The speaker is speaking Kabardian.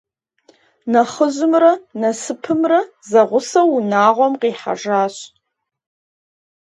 Нэхъыжьымрэ Насыпымрэ зэгъусэу унагъуэм къихьэжащ.